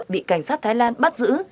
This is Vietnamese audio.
bị cảnh sát thái lan bắt giữ